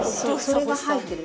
それが入ってる。